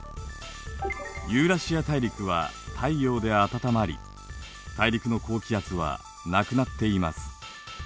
ユーラシア大陸は太陽で暖まり大陸の高気圧はなくなっています。